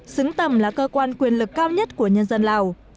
xứng tầm là cơ quan quyền lực cao nhất của nhân dân lào